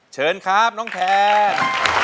เชิญครับน้องแคน